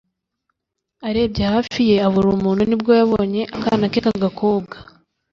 arebye hafi ye abura umuntu ni bwo yabonye akana ke k agakobwa